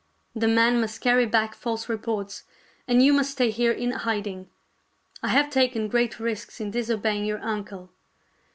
The men must carry back false reports, and you must stay here in hiding. I have taken great risks in disobeying your uncle."